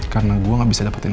karena gue gak bisa dapetin